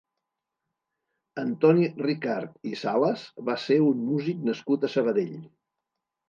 Antoni Ricart i Salas va ser un músic nascut a Sabadell.